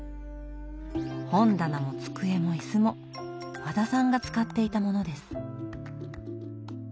本棚も机も椅子も和田さんが使っていたものです。